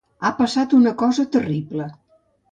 Ha passat una cosa terrible.